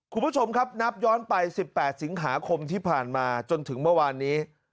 คุณผู้ชมครับนับย้อนไป๑๘สิงหาคมที่ผ่านมาจนถึงเมื่อวานนี้